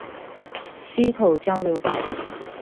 溪口交流道